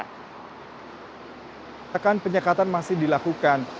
sekarang penyekatan masih dilakukan